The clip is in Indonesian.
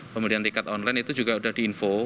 pembelian tiket online itu juga sudah diinfo